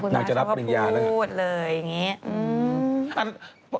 นางจะรับปริญญาแล้วก็อ๋อคุณมาร์ชก็พูดเลยอย่างนี้